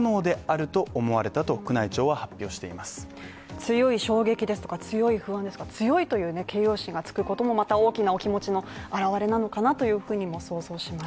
強い衝撃ですとか、強い不安ですとか強いという形容詞がつくことも大きなお気持ちの表れなのかなということも想像します。